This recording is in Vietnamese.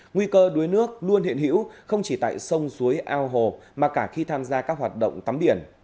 nguy cơ đuối nước luôn hiện hữu không chỉ tại sông suối ao hồ mà cả khi tham gia các hoạt động tắm biển